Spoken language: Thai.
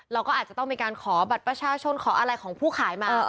เราก็อาจจะต้องมีการขอบัตรประชาชนขออะไรของผู้ขายมา